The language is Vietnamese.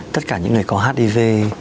tất cả những người có hdv